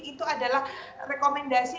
itu adalah rekomendasi